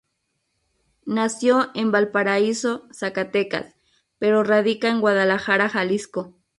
Nació en Valparaíso, Zacatecas, pero radica en Guadalajara, Jalisco.